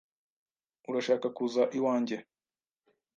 Urashaka kuza iwanjye?